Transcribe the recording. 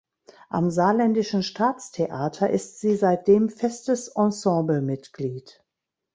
Am Saarländischen Staatstheater ist sie seitdem festes Ensemblemitglied.